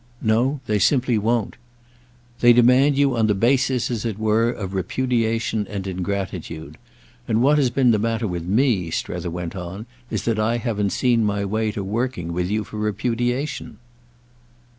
"No, they simply won't." "They demand you on the basis, as it were, of repudiation and ingratitude; and what has been the matter with me," Strether went on, "is that I haven't seen my way to working with you for repudiation."